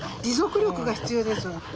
持続力が必要ですわ。